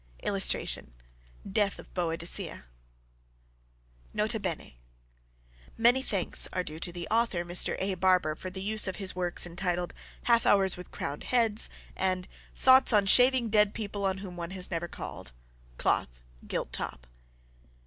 [Illustration: DEATH OF BOADICEA.] N.B. Many thanks are due to the author, Mr. A. Barber, for the use of his works entitled "Half Hours with Crowned Heads" and "Thoughts on Shaving Dead People on Whom One Has Never Called," cloth, gilt top.